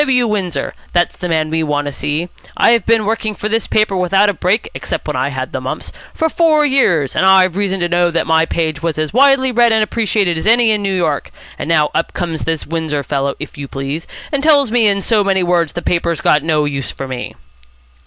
W. Windsor. That's the man we want to see. I've been working for this paper without a break, except when I had the mumps, for four years, and I've reason to know that my page was as widely read and appreciated as any in New York. And now up comes this Windsor fellow, if you please, and tells me in so many words the paper's got no use for me."